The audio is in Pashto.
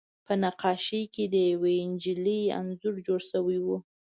په نقاشۍ کې د یوې نجلۍ انځور جوړ شوی و